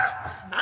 何！？